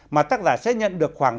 mà tác giả sẽ nhận được khoảng